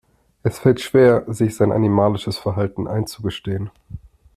Es fällt schwer, sich sein animalisches Verhalten einzugestehen.